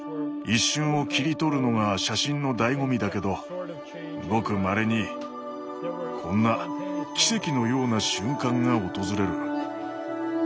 一瞬を切り取るのが写真のだいご味だけどごくまれにこんな奇跡のような瞬間が訪れる。